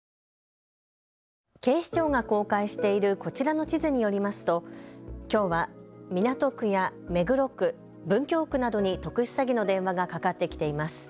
警視庁が公開しているこちらの地図によりますときょうは港区や目黒区、文京区などに特殊詐欺の電話がかかってきています。